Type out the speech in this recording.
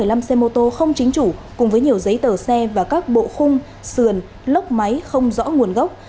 cơ sở sửa chữa xe mô tô không chính chủ cùng với nhiều giấy tờ xe và các bộ khung sườn lốc máy không rõ nguồn gốc